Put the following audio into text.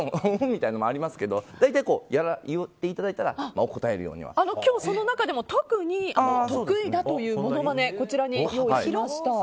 みたいなのもあるけど大体言っていただいたら応えるようには。今日、その中でも特に得意だというものまね、こちらに用意しました。